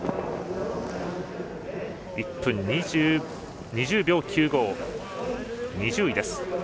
１分２０秒９５、２０位。